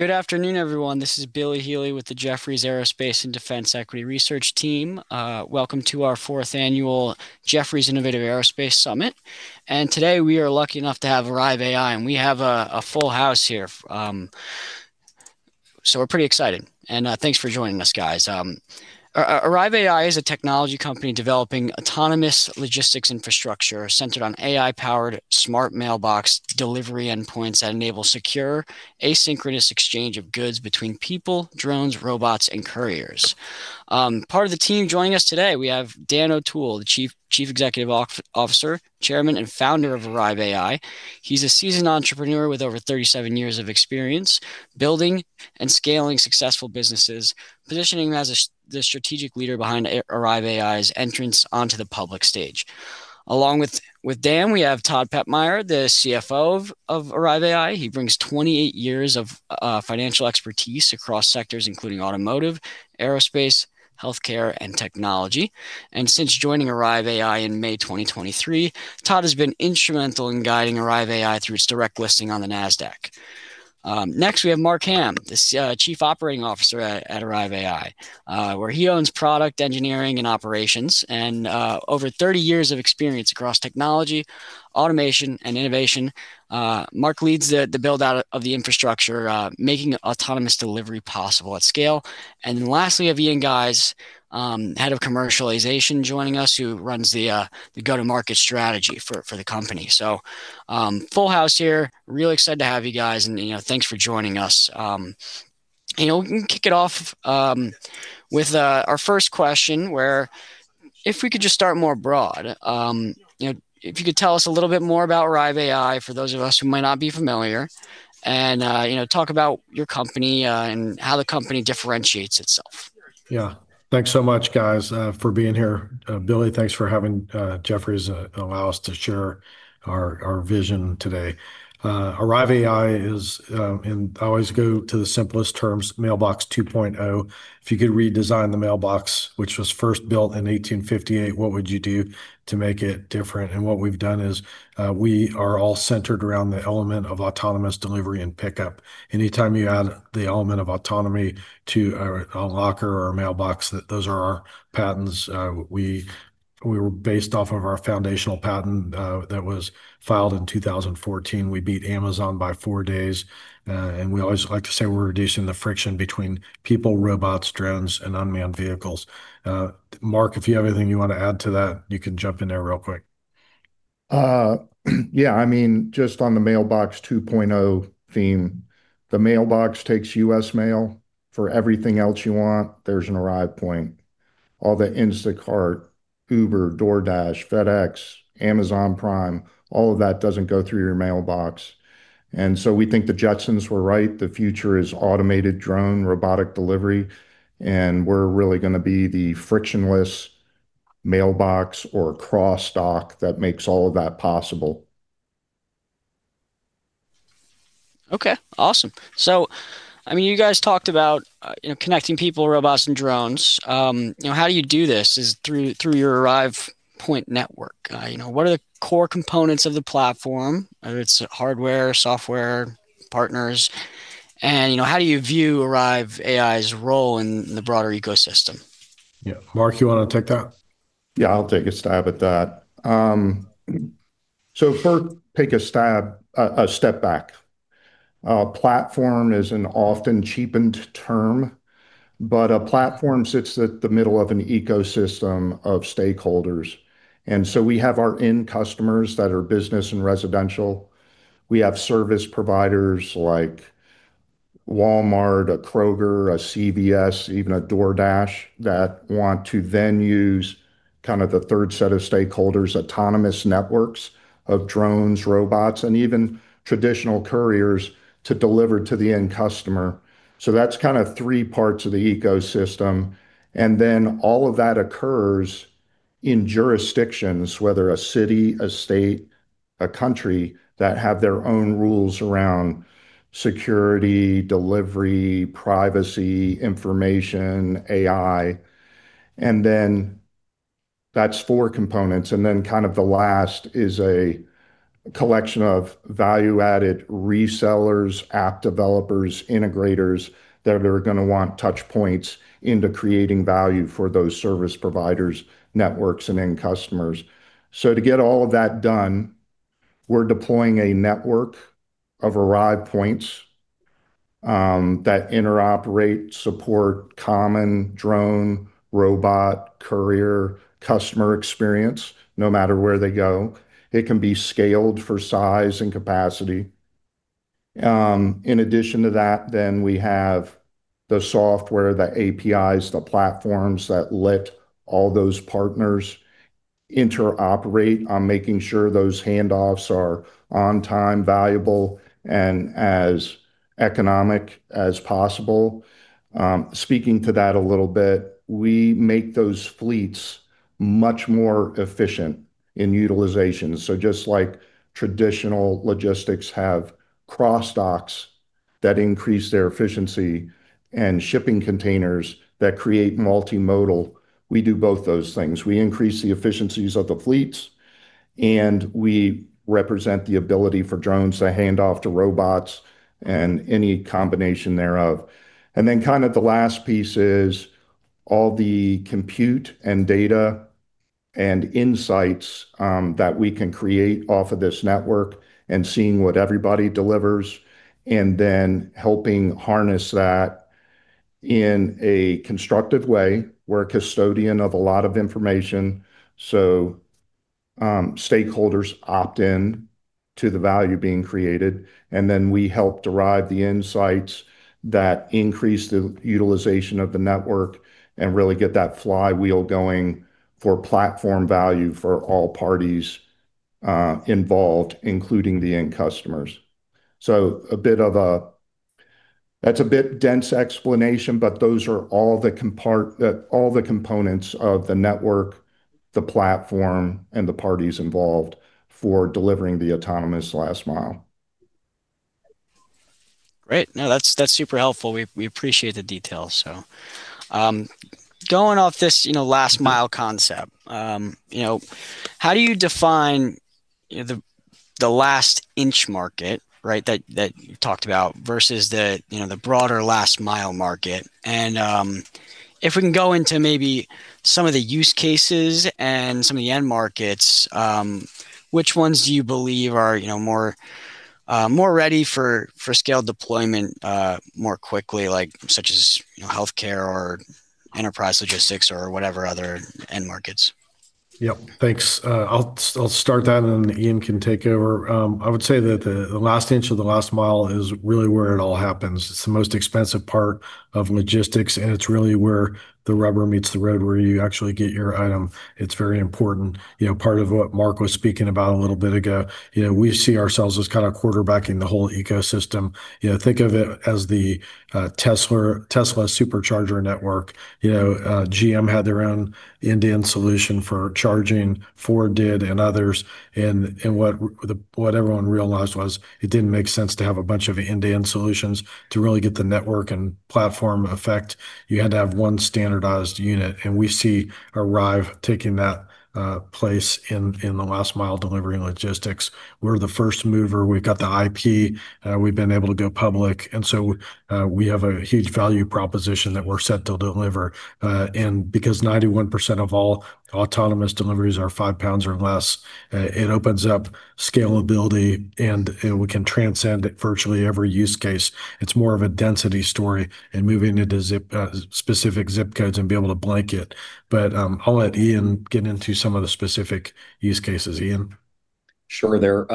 Good afternoon, everyone. This is Billy Healy with the Jefferies Aerospace and Defense Equity Research Team. Welcome to our fourth annual Jefferies Innovative Aerospace Summit. Today, we are lucky enough to have Arrive AI, and we have a full house here. We're pretty excited. Thanks for joining us, guys. Arrive AI is a technology company developing autonomous logistics infrastructure centered on AI-powered smart mailbox delivery endpoints that enable secure asynchronous exchange of goods between people, drones, robots, and couriers. Part of the team joining us today, we have Dan O'Toole, the Chief Executive Officer, Chairman, and Founder of Arrive AI. He's a seasoned entrepreneur with over 37 years of experience building and scaling successful businesses, positioning him as the strategic leader behind Arrive AI's entrance onto the public stage. Along with Dan, we have Todd Pepmeier, the CFO of Arrive AI. He brings 28 years of financial expertise across sectors including automotive, aerospace, healthcare, and technology. Since joining Arrive AI in May 2023, Todd has been instrumental in guiding Arrive AI through its direct listing on the Nasdaq. Next we have Mark Hamm, the Chief Operating Officer at Arrive AI, where he owns product engineering and operations, and over 30 years of experience across technology, automation, and innovation. Mark leads the build-out of the infrastructure, making autonomous delivery possible at scale. Lastly, I have Ian Geise, Head of Commercialization joining us, who runs the go-to-market strategy for the company. Full house here. Really excited to have you guys, and thanks for joining us. We can kick it off with our first question, where if we could just start more broad. If you could tell us a little bit more about Arrive AI for those of us who might not be familiar, and talk about your company and how the company differentiates itself. Yeah. Thanks so much, guys, for being here. Billy, thanks for having Jefferies allow us to share our vision today. Arrive AI is, I always go to the simplest terms, Mailbox 2.0. If you could redesign the mailbox, which was first built in 1858, what would you do to make it different? What we've done is we are all centered around the element of autonomous delivery and pickup. Anytime you add the element of autonomy to a locker or a mailbox, those are our patents. We were based off of our foundational patent that was filed in 2014. We beat Amazon by four days. We always like to say we're reducing the friction between people, robots, drones, and unmanned vehicles. Mark, if you have anything you want to add to that, you can jump in there real quick. Yeah. Just on the Mailbox 2.0 theme, the mailbox takes U.S. mail. For everything else you want, there's an Arrive Point. All the Instacart, Uber, DoorDash, FedEx, Amazon Prime, all of that doesn't go through your mailbox. We think The Jetsons were right. The future is automated drone robotic delivery, and we're really going to be the frictionless mailbox or cross dock that makes all of that possible. Okay. Awesome. You guys talked about connecting people, robots, and drones. How you do this is through your Arrive Point Network. What are the core components of the platform, whether it's hardware, software, partners, and how do you view Arrive AI's role in the broader ecosystem? Yeah. Mark, you want to take that? Yeah, I'll take a stab at that. First, take a step back. Platform is an often cheapened term, but a platform sits at the middle of an ecosystem of stakeholders. We have our end customers that are business and residential. We have service providers like Walmart, a Kroger, a CVS, even a DoorDash, that want to then use the third set of stakeholders, autonomous networks of drones, robots, and even traditional couriers to deliver to the end customer. That's three parts of the ecosystem. All of that occurs in jurisdictions, whether a city, a state, a country, that have their own rules around security, delivery, privacy, information, AI. That's four components. The last is a collection of value-added resellers, app developers, integrators, that are going to want touch points into creating value for those service providers, networks, and end customers. To get all of that done, we're deploying a network of Arrive Points that interoperate, support common drone, robot, courier, customer experience, no matter where they go. It can be scaled for size and capacity. In addition to that, we have the software, the APIs, the platforms that let all those partners interoperate on making sure those handoffs are on time, valuable, and as economic as possible. Speaking to that a little bit, we make those fleets much more efficient in utilization. Just like traditional logistics have cross docks that increase their efficiency and shipping containers that create multimodal We do both those things. We increase the efficiencies of the fleets, and we represent the ability for drones to hand off to robots and any combination thereof. Kind of the last piece is all the compute and data and insights that we can create off of this network, and seeing what everybody delivers, and then helping harness that in a constructive way. We're a custodian of a lot of information, so stakeholders opt in to the value being created. We help derive the insights that increase the utilization of the network and really get that flywheel going for platform value for all parties involved, including the end customers. That's a bit dense explanation, but those are all the components of the network, the platform, and the parties involved for delivering the autonomous last mile. Great. No, that's super helpful. We appreciate the details. Going off this last mile concept, how do you define the last inch market, right, that you talked about versus the broader last mile market? If we can go into maybe some of the use cases and some of the end markets, which ones do you believe are more ready for scaled deployment more quickly, such as healthcare or enterprise logistics or whatever other end markets? Yep. Thanks. I'll start that, and then Ian can take over. I would say that the last inch of the last mile is really where it all happens. It's the most expensive part of logistics, and it's really where the rubber meets the road, where you actually get your item. It's very important. Part of what Mark was speaking about a little bit ago, we see ourselves as kind of quarterbacking the whole ecosystem. Think of it as the Tesla Supercharger network. GM had their own end-to-end solution for charging, Ford did, and others. What everyone realized was it didn't make sense to have a bunch of end-to-end solutions to really get the network and platform effect. You had to have one standardized unit, and we see Arrive taking that place in the last mile delivery and logistics. We're the first mover. We've got the IP. We've been able to go public. We have a huge value proposition that we're set to deliver. Because 91% of all autonomous deliveries are five pounds or less, it opens up scalability, and we can transcend virtually every use case. It's more of a density story and moving into specific zip codes and being able to blanket. I'll let Ian get into some of the specific use cases. Ian? Sure.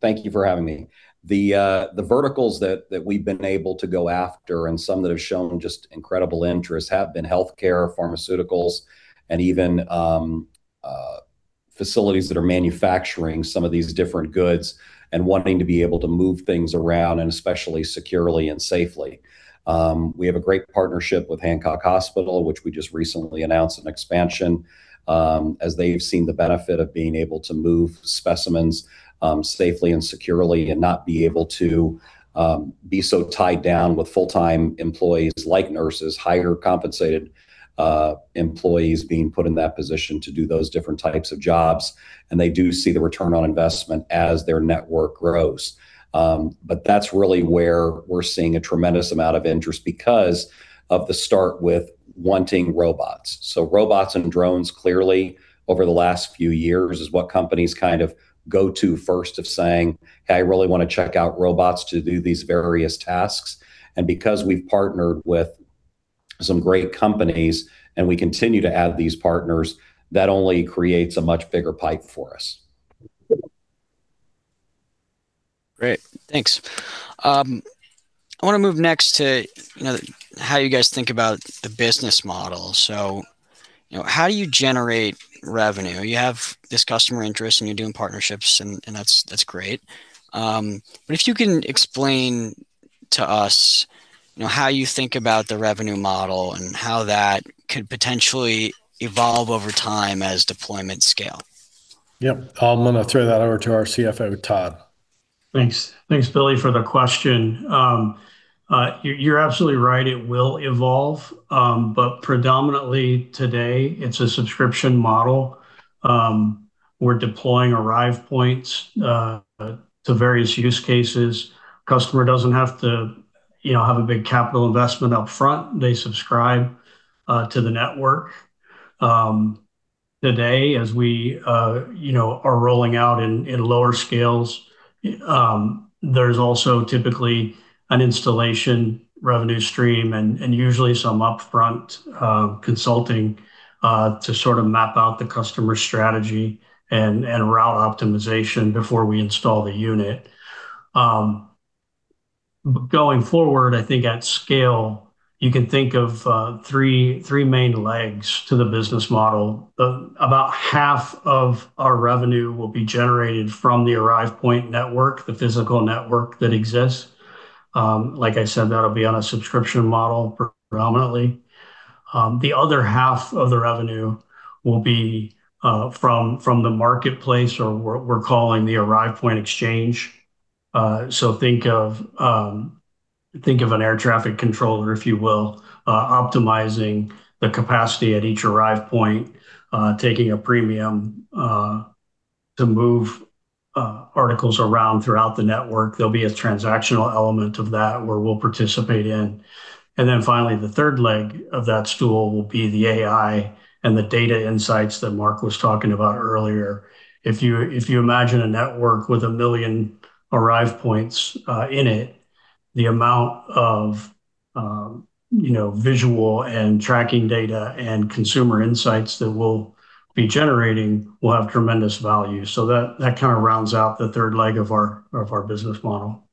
Thank you for having me. The verticals that we've been able to go after and some that have shown just incredible interest have been healthcare, pharmaceuticals, and even facilities that are manufacturing some of these different goods and wanting to be able to move things around, and especially securely and safely. We have a great partnership with Hancock Health, which we just recently announced an expansion. As they've seen the benefit of being able to move specimens safely and securely and not be able to be so tied down with full-time employees like nurses, higher compensated employees being put in that position to do those different types of jobs. They do see the return on investment as their network grows. That's really where we're seeing a tremendous amount of interest because of the start with wanting robots. Robots and drones clearly over the last few years is what companies kind of go to first of saying, "Hey, I really want to check out robots to do these various tasks." Because we've partnered with some great companies and we continue to add these partners, that only creates a much bigger pipe for us. Great. Thanks. I want to move next to how you guys think about the business model. How do you generate revenue? You have this customer interest, and you're doing partnerships and that's great. If you can explain to us how you think about the revenue model and how that could potentially evolve over time as deployment scale. Yep. I am going to throw that over to our CFO, Todd. Thanks. Thanks, Billy, for the question. You are absolutely right. It will evolve. Predominantly today, it is a subscription model. We are deploying Arrive Points to various use cases. Customer doesn't have to have a big capital investment up front. They subscribe to the network. Today, as we are rolling out in lower scales, there is also typically an installation revenue stream and usually some upfront consulting to sort of map out the customer strategy and route optimization before we install the unit. Going forward, I think at scale, you can think of three main legs to the business model. About half of our revenue will be generated from the Arrive Point Network, the physical network that exists. Like I said, that will be on a subscription model predominantly. The other half of the revenue will be from the marketplace, or we are calling the Arrive Point Exchange. Think of Think of an air traffic controller, if you will, optimizing the capacity at each Arrive Point, taking a premium to move articles around throughout the network. There will be a transactional element of that where we will participate in. Finally, the third leg of that stool will be the AI and the data insights that Mark was talking about earlier. If you imagine a network with 1 million Arrive Points in it, the amount of visual and tracking data and consumer insights that we will be generating will have tremendous value. That kind of rounds out the third leg of our business model.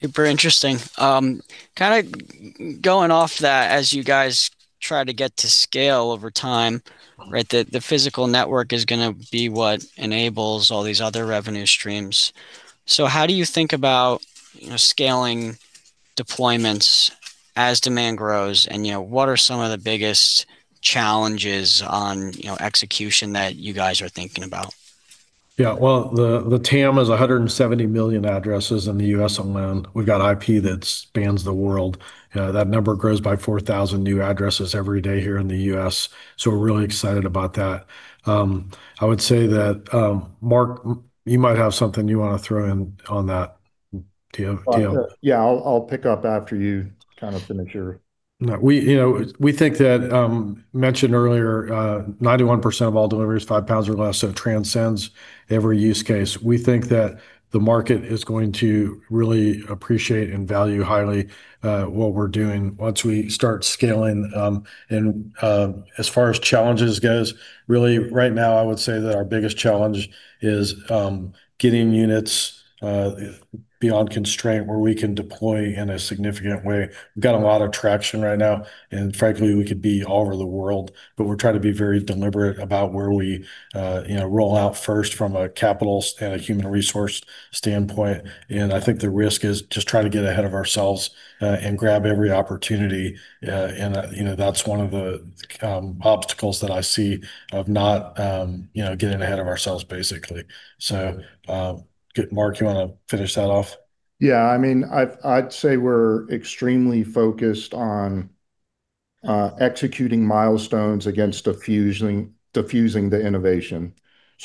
Super interesting. Kind of going off that, as you guys try to get to scale over time, the physical network is going to be what enables all these other revenue streams. How do you think about scaling deployments as demand grows, and what are some of the biggest challenges on execution that you guys are thinking about? Yeah. Well, the TAM is $170 million addresses in the U.S. alone. We've got IP that spans the world. That number grows by 4,000 new addresses every day here in the U.S., we're really excited about that. I would say that, Mark, you might have something you want to throw in on that. Do you? Yeah. I'll pick up after you kind of finish your No. We think that, mentioned earlier 91% of all deliveries, five pounds or less, it transcends every use case. We think that the market is going to really appreciate and value highly what we're doing once we start scaling. As far as challenges goes, really right now, I would say that our biggest challenge is getting units beyond constraint where we can deploy in a significant way. We've got a lot of traction right now, frankly, we could be all over the world, but we're trying to be very deliberate about where we roll out first from a capital and a human resource standpoint. I think the risk is just trying to get ahead of ourselves and grab every opportunity. That's one of the obstacles that I see of not getting ahead of ourselves, basically. Mark, you want to finish that off? Yeah. I'd say we're extremely focused on executing milestones against diffusing the innovation.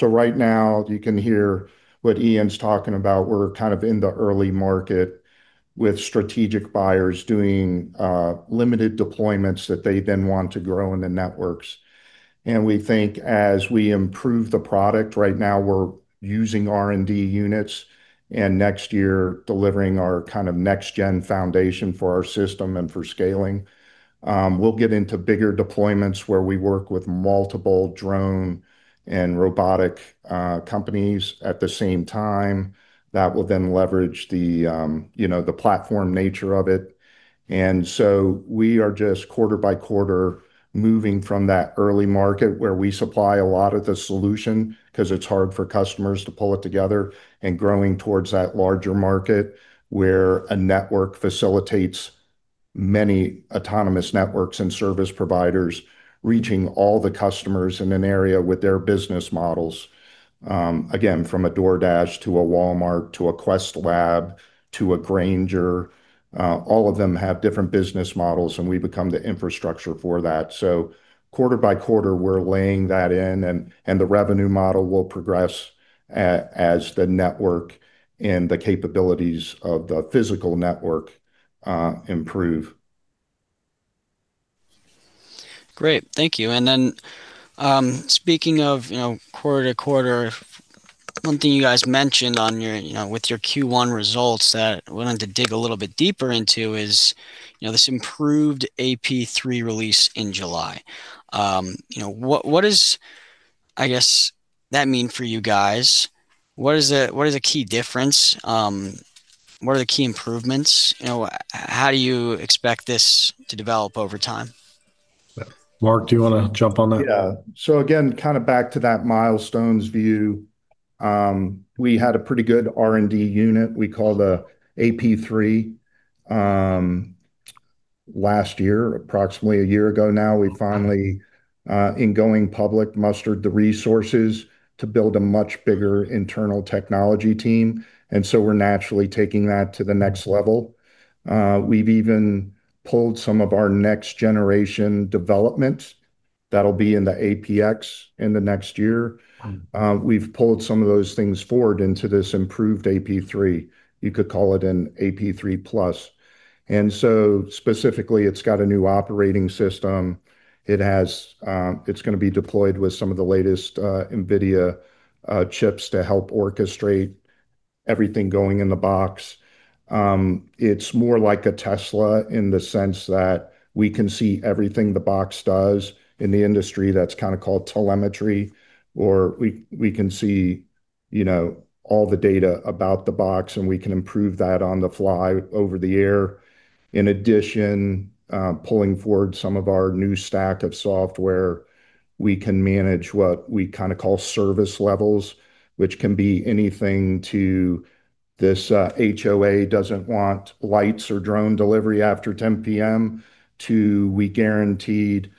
Right now, you can hear what Ian's talking about. We're kind of in the early market with strategic buyers doing limited deployments that they then want to grow in the networks. We think as we improve the product, right now we're using R&D units, next year delivering our kind of next-gen foundation for our system and for scaling. We'll get into bigger deployments where we work with multiple drone and robotic companies at the same time. That will then leverage the platform nature of it. We are just quarter by quarter moving from that early market where we supply a lot of the solution because it's hard for customers to pull it together, and growing towards that larger market where a network facilitates many autonomous networks and service providers reaching all the customers in an area with their business models. Again, from a DoorDash to a Walmart to a Quest lab to a Grainger, all of them have different business models, and we become the infrastructure for that. Quarter by quarter, we're laying that in, and the revenue model will progress as the network and the capabilities of the physical network improve. Great. Thank you. Speaking of quarter to quarter, one thing you guys mentioned with your Q1 results that I wanted to dig a little bit deeper into is this improved AP3 release in July. What does, I guess, that mean for you guys? What is a key difference? What are the key improvements? How do you expect this to develop over time? Mark, do you want to jump on that? Yeah. Again, kind of back to that milestones view. We had a pretty good R&D unit we call the AP3 last year. Approximately a year ago now, we finally, in going public, mustered the resources to build a much bigger internal technology team, and so we're naturally taking that to the next level. We've even pulled some of our next generation development that'll be in the APX in the next year. Wow. We've pulled some of those things forward into this improved AP3. You could call it an AP3+. Specifically, it's got a new operating system. It's going to be deployed with some of the latest NVIDIA chips to help orchestrate everything going in the box. It's more like a Tesla in the sense that we can see everything the box does. In the industry, that's kind of called telemetry. We can see all the data about the box, and we can improve that on the fly over the air. In addition, pulling forward some of our new stack of software, we can manage what we kind of call service levels, which can be anything to this HOA doesn't want lights or drone delivery after 10:00 P.M., to we guaranteed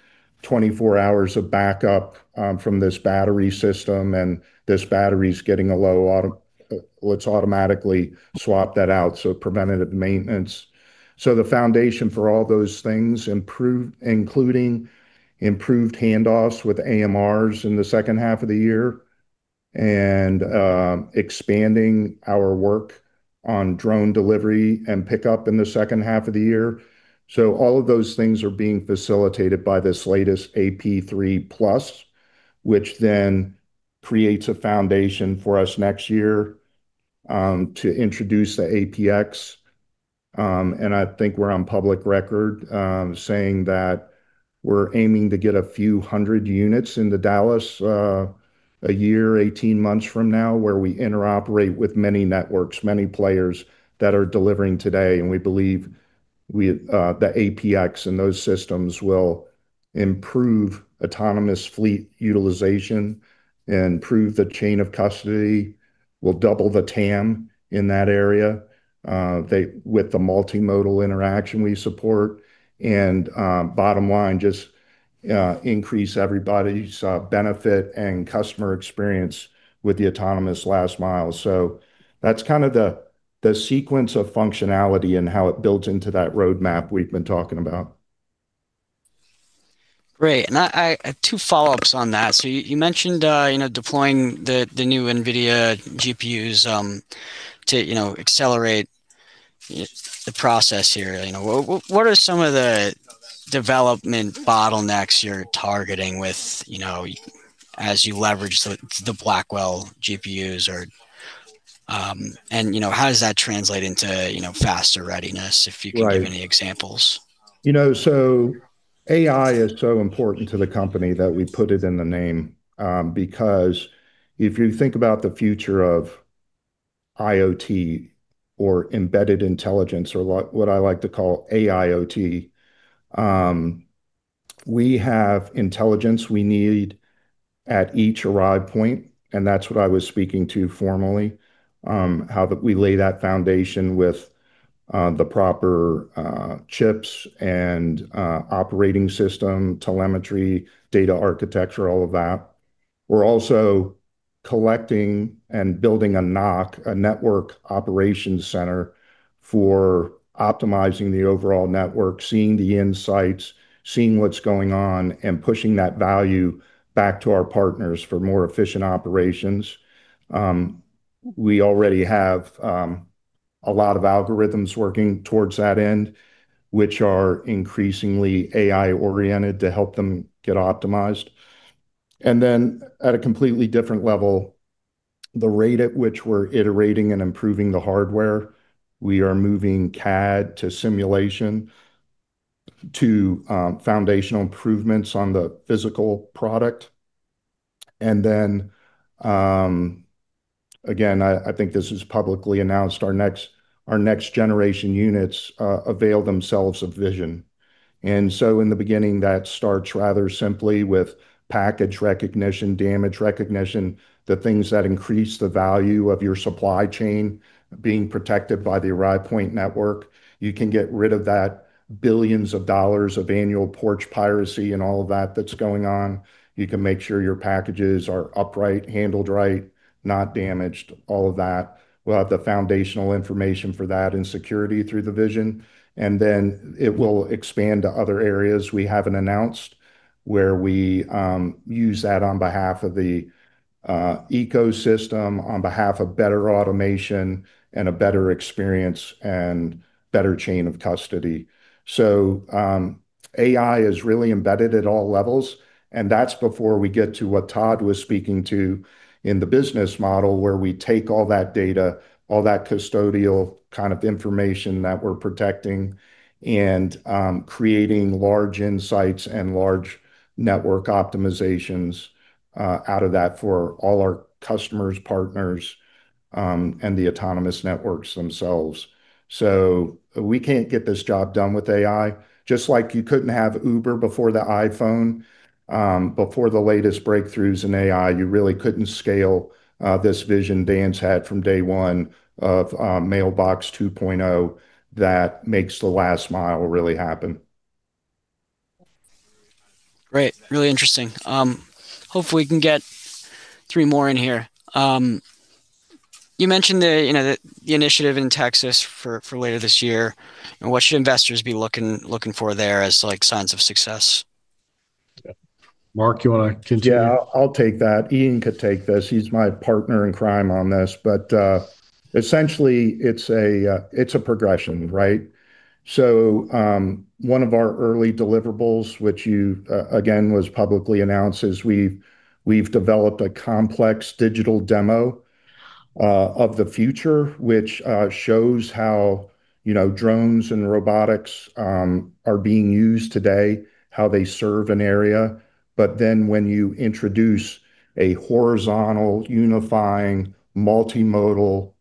24 hours of backup from this battery system, and this battery's getting low. Let's automatically swap that out, so preventative maintenance. The foundation for all those things, including improved handoffs with AMRs in the second half of the year, and expanding our work on drone delivery and pickup in the second half of the year. All of those things are being facilitated by this latest AP3 Plus, which then creates a foundation for us next year, to introduce the APX. I think we're on public record, saying that we're aiming to get a few hundred units into Dallas, a year, 18 months from now, where we interoperate with many networks, many players that are delivering today. We believe the APX and those systems will improve autonomous fleet utilization and prove the chain of custody will double the TAM in that area, with the multimodal interaction we support. Bottom line, just increase everybody's benefit and customer experience with the autonomous last mile. That's kind of the sequence of functionality and how it builds into that roadmap we've been talking about. Great. I have two follow-ups on that. You mentioned deploying the new NVIDIA GPUs to accelerate the process here. What are some of the development bottlenecks you're targeting with as you leverage the Blackwell GPUs? How does that translate into faster readiness, if you can give any examples? AI is so important to the company that we put it in the name. Because if you think about the future of IoT or embedded intelligence or what I like to call AIoT, we have intelligence we need at each Arrive Point, and that's what I was speaking to formerly, how we lay that foundation with the proper chips and operating system, telemetry, data architecture, all of that. We're also collecting and building a NOC, a Network Operations Center, for optimizing the overall network, seeing the insights, seeing what's going on, and pushing that value back to our partners for more efficient operations. We already have a lot of algorithms working towards that end, which are increasingly AI-oriented to help them get optimized. At a completely different level, the rate at which we're iterating and improving the hardware. We are moving CAD to simulation to foundational improvements on the physical product. Again, I think this was publicly announced, our next generation units avail themselves of vision. In the beginning, that starts rather simply with package recognition, damage recognition, the things that increase the value of your supply chain being protected by the Arrive Point Network. You can get rid of that billions of dollars of annual porch piracy and all of that that's going on. You can make sure your packages are upright, handled right, not damaged, all of that. We'll have the foundational information for that and security through the vision. It will expand to other areas we haven't announced, where we use that on behalf of the ecosystem, on behalf of better automation and a better experience and better chain of custody. AI is really embedded at all levels, and that's before we get to what Todd was speaking to in the business model, where we take all that data, all that custodial kind of information that we're protecting and creating large insights and large network optimizations out of that for all our customers, partners, and the autonomous networks themselves. We can't get this job done with AI. Just like you couldn't have Uber before the iPhone, before the latest breakthroughs in AI, you really couldn't scale this vision Dan's had from day one of Mailbox 2.0 that makes the last mile really happen. Great. Really interesting. Hopefully we can get three more in here. You mentioned the initiative in Texas for later this year. What should investors be looking for there as signs of success? Mark, you want to continue? Yeah, I'll take that. Ian could take this. He's my partner in crime on this. Essentially, it's a progression, right? One of our early deliverables, which again, was publicly announced, is we've developed a complex digital demo of the future, which shows how drones and robotics are being used today, how they serve an area. When you introduce a horizontal, unifying, multimodal,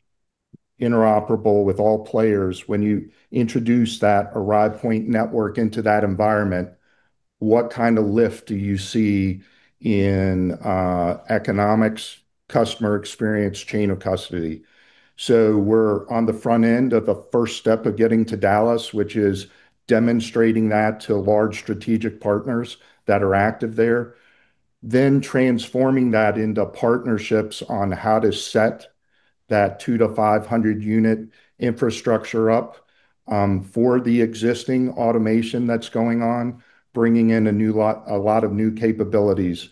interoperable with all players, when you introduce that Arrive Point Network into that environment, what kind of lift do you see in economics, customer experience, chain of custody? So we're on the front end of the first step of getting to Dallas, which is demonstrating that to large strategic partners that are active there. Transforming that into partnerships on how to set that two to 500 unit infrastructure up for the existing automation that's going on, bringing in a lot of new capabilities.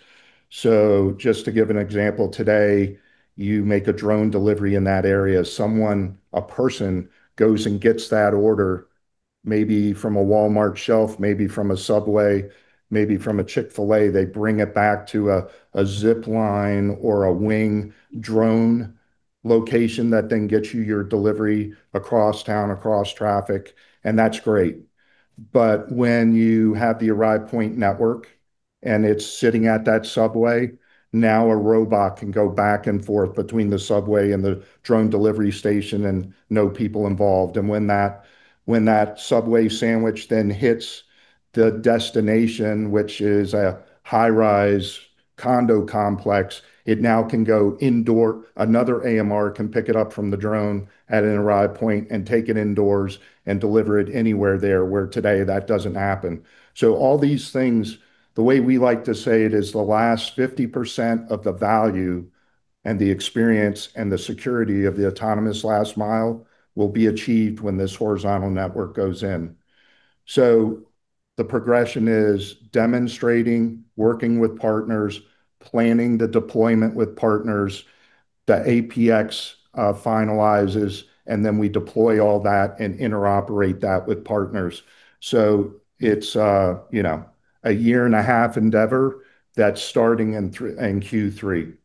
Just to give an example, today you make a drone delivery in that area. Someone, a person, goes and gets that order maybe from a Walmart shelf, maybe from a Subway, maybe from a Chick-fil-A. They bring it back to a Zipline or a Wing drone location that then gets you your delivery across town, across traffic, and that's great. When you have the Arrive Point Network and it's sitting at that Subway, now a robot can go back and forth between the Subway and the drone delivery station and no people involved. When that Subway sandwich then hits the destination, which is a high-rise condo complex, it now can go indoor. Another AMR can pick it up from the drone at an Arrive Point and take it indoors and deliver it anywhere there, where today that doesn't happen. All these things, the way we like to say it, is the last 50% of the value and the experience and the security of the autonomous last mile will be achieved when this horizontal network goes in. The progression is demonstrating, working with partners, planning the deployment with partners, the APX finalizes, and then we deploy all that and interoperate that with partners. It's a year and a half endeavor that's starting in Q3.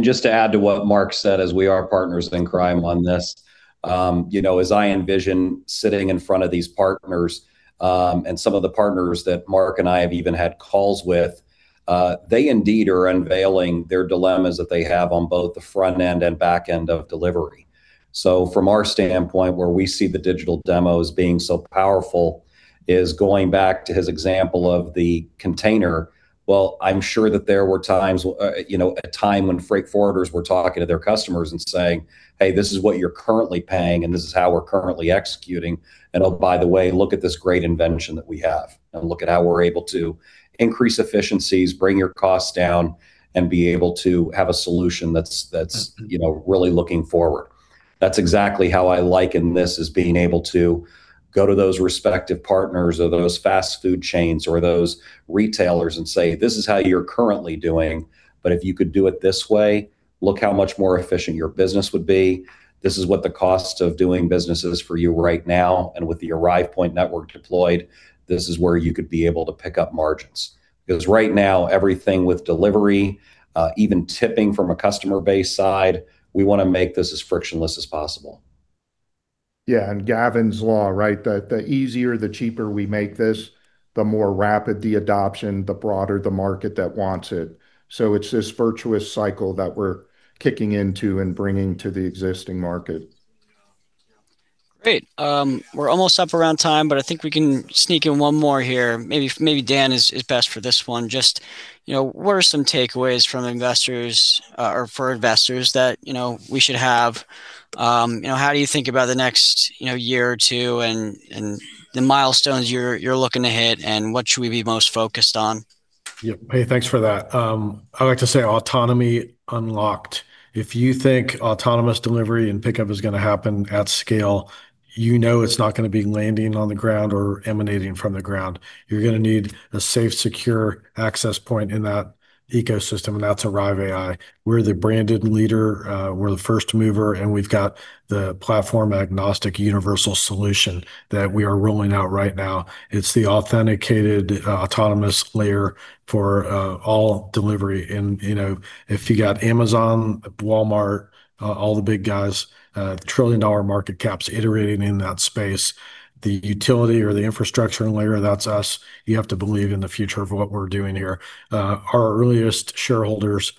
Just to add to what Mark said, as we are partners in crime on this. As I envision sitting in front of these partners, and some of the partners that Mark and I have even had calls with, they indeed are unveiling their dilemmas that they have on both the front end and back end of delivery. From our standpoint, where we see the digital demos being so powerful is going back to his example of the container. Well, I'm sure that there were a time when freight forwarders were talking to their customers and saying, "Hey, this is what you're currently paying, and this is how we're currently executing. Oh, by the way, look at this great invention that we have, and look at how we're able to increase efficiencies, bring your costs down, and be able to have a solution that's really looking forward." That's exactly how I liken this, is being able to go to those respective partners or those fast food chains or those retailers and say, "This is how you're currently doing, but if you could do it this way, look how much more efficient your business would be. This is what the cost of doing business is for you right now. With the Arrive Point Network deployed, this is where you could be able to pick up margins." Because right now, everything with delivery, even tipping from a customer base side, we want to make this as frictionless as possible. Yeah. Gavin's law, right? The easier, the cheaper we make this, the more rapid the adoption, the broader the market that wants it. It's this virtuous cycle that we're kicking into and bringing to the existing market. Great. We're almost up around time, I think we can sneak in one more here. Maybe Dan is best for this one. What are some takeaways for investors that we should have? How do you think about the next year or two and the milestones you're looking to hit, and what should we be most focused on? Yep. Hey, thanks for that. I like to say autonomy unlocked. If you think autonomous delivery and pickup is going to happen at scale, you know it's not going to be landing on the ground or emanating from the ground. You're going to need a safe, secure access point in that ecosystem, and that's Arrive AI. We're the branded leader. We're the first mover, and we've got the platform agnostic universal solution that we are rolling out right now. It's the authenticated, autonomous layer for all delivery. If you got Amazon, Walmart, all the big guys, the trillion-dollar market caps iterating in that space, the utility or the infrastructure layer, that's us. You have to believe in the future of what we're doing here. Our earliest shareholders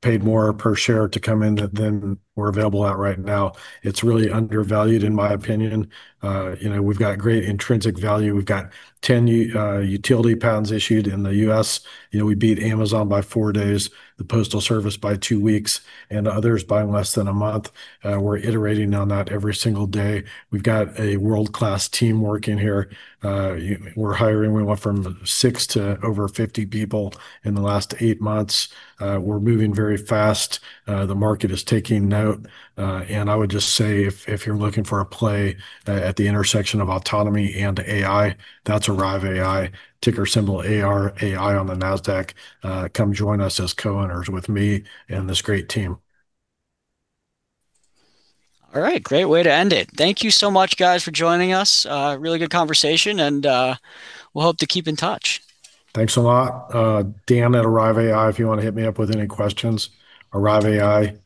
paid more per share to come in than we're available at right now. It's really undervalued in my opinion. We've got great intrinsic value. We've got 10 utility patents issued in the U.S. We beat Amazon by four days, the postal service by two weeks, and others by less than a month. We're iterating on that every single day. We've got a world-class team working here. We're hiring. We went from six to over 50 people in the last eight months. We're moving very fast. The market is taking note. I would just say if you're looking for a play at the intersection of autonomy and AI, that's Arrive AI, ticker symbol ARAI on the Nasdaq. Come join us as co-owners with me and this great team. All right. Great way to end it. Thank you so much, guys, for joining us. A really good conversation. We'll hope to keep in touch. Thanks a lot. Dan at Arrive AI if you want to hit me up with any questions. arriveai.com